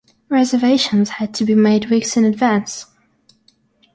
Reservations had to be made weeks in advance.